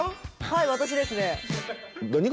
はい私ですね。